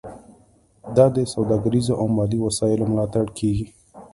دا د سوداګریزو او مالي وسایلو ملاتړ کیږي